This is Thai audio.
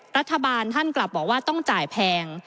รัฐบาลท่านกลับบอกว่าต้องจ่ายแพง